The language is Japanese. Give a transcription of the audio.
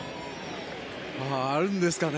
あるんですかね。